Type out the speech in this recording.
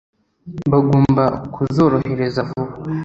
Bagomba kuzorohereza vuba.